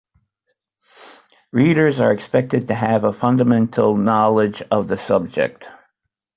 Readers are expected to have a fundamental knowledge of the subject.